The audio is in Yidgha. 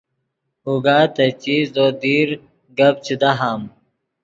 اوگا تے چیت زو دیر گپ چے دہام